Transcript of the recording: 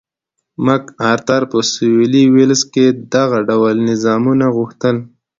مک ارتر په سوېلي ویلز کې دغه ډول نظامونه غوښتل.